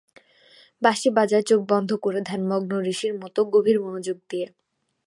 বাঁশি বাজায় চোখ বন্ধ করে, ধ্যানমগ্ন ঋষির মতো গভীর মনোযোগ দিয়ে।